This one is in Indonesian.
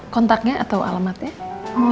kontaknya atau alamatnya